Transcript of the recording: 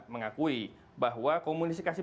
mengakui bahwa komunikasi